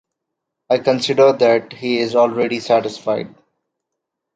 I consider that he is already satisfied.